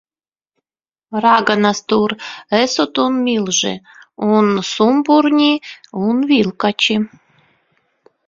Raganas tur esot un milži. Un sumpurņi un vilkači.